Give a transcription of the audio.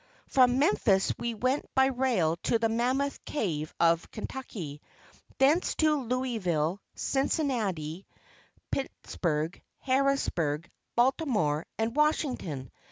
From Memphis we went by rail to the Mammoth Cave of Kentucky; thence to Louisville, Cincinnati, Pittsburgh, Harrisburgh, Baltimore and Washington.